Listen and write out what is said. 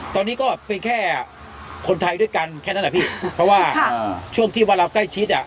ตอนนี้ก็เป็นแค่คนไทยด้วยกันแค่นั้นแหละพี่เพราะว่าช่วงที่ว่าเราใกล้ชิดอ่ะ